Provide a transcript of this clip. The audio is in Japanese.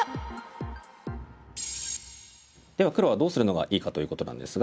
では黒はどうするのがいいかということなんですが。